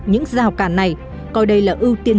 những rào cản này coi đây là ưu tiên